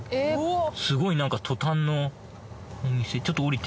すごいなんかトタンのお店。